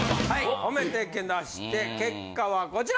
褒めてけなして結果はこちら！